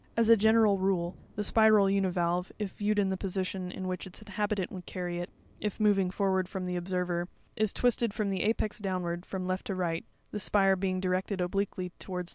As a general rule, the spiral univalve, if viewed in the position in which its inhabitant would carry it, if moving forwards from the observer, is twisted, from the apex downwards, from left to right, the spire being directed obliquely to wards the right.